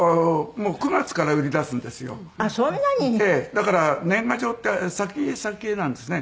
だから年賀状って先々なんですね。